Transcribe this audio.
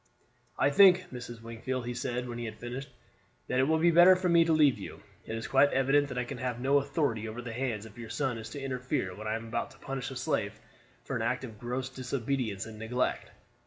"I think, Mrs. Wingfield," he said when he had finished, "that it will be better for me to leave you. It is quite evident that I can have no authority over the hands if your son is to interfere when I am about to punish a slave for an act of gross disobedience and neglect.